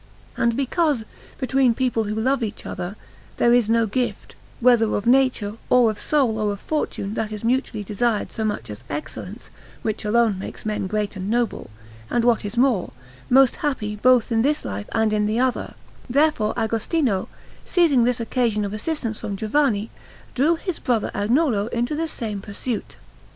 And because, between people who love each other, there is no gift, whether of nature, or of soul, or of fortune, that is mutually desired so much as excellence, which alone makes men great and noble, and what is more, most happy both in this life and in the other, therefore Agostino, seizing this occasion of assistance from Giovanni, drew his brother Agnolo into the same pursuit.